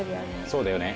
そうだよね。